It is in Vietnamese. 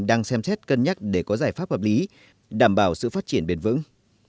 đang xem xét cân nhắc để có giải pháp hợp lý đảm bảo sự phát triển bền vững